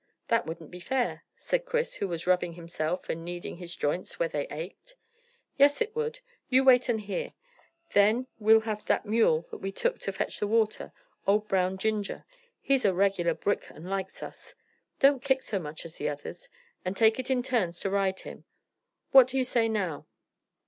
"That wouldn't be fair," said Chris, who was rubbing himself and kneading his joints where they ached. "Yes, it would. You wait and hear. Then we'll have that mule that we took to fetch the water old Brown Ginger. He's a regular brick, and likes us. Don't kick so much as the others and take it in turns to ride him. What do you say now?"